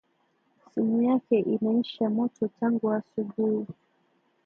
Simu yake inaisha moto tangu asubui